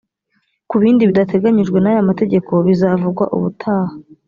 ku bindi bidateganyijwe n aya mategeko bizavugwa ubutaha